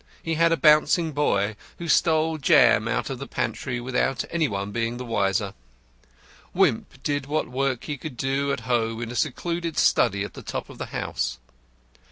He had a bouncing boy, who stole jam out of the pantry without any one being the wiser. Wimp did what work he could do at home in a secluded study at the top of the house.